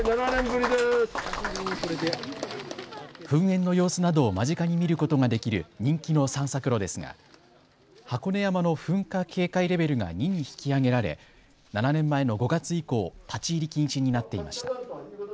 噴煙の様子などを間近に見ることができる人気の散策路ですが箱根山の噴火警戒レベルが２に引き上げられ７年前の５月以降、立ち入り禁止になっていました。